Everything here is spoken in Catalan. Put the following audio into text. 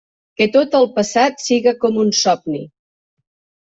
Que tot el passat siga com un somni.